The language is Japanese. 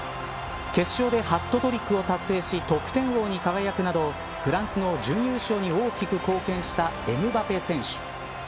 決勝でハットトリックを達成し得点王に輝くなどフランスの準優勝に大きく貢献したエムバペ選手。